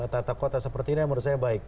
tata kota seperti ini yang menurut saya baik